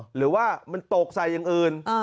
หรือว่ามันตกใส่อย่างอื่น